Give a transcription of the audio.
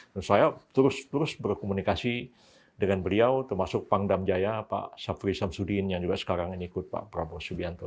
dan saya terus terus berkomunikasi dengan beliau termasuk pangdam jaya pak safri samsudin yang juga sekarang ini ikut pak prabowo subianto